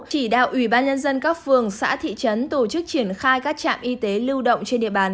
chỉ đạo ủy ban nhân dân các phường xã thị trấn tổ chức triển khai các trạm y tế lưu động trên địa bàn